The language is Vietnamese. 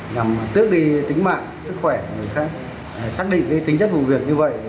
nhằm tước đi tính mạng sức khỏe xác định tính chất vụ việc như vậy